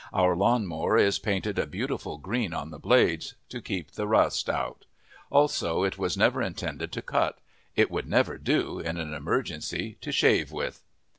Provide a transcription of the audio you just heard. Our lawn mower is painted a beautiful green on the blades, to keep out the rust. Also, it was never intended to cut. It would never do, in an emergency, to shave with.